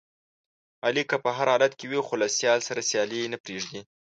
علي که په هر حالت وي، خو له سیال سره سیالي نه پرېږدي.